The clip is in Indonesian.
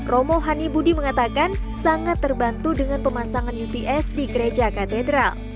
romo hani budi mengatakan sangat terbantu dengan pemasangan ups di gereja katedral